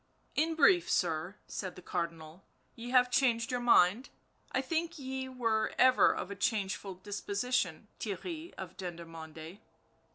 " In brief, sir," said the Cardinal, " ye have changed your mind — I think ye were ever of a change ful disposition, Theirry of Dendermonde."